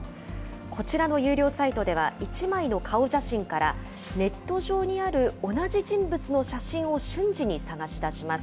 こちらの有料サイトでは、１枚の顔写真から、ネット上にある同じ人物の写真を瞬時に探し出します。